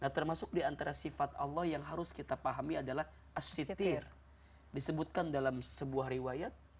termasuk diantara sifat allah yang harus kita pahami adalah as sitir disebutkan dalam sebuah riwayat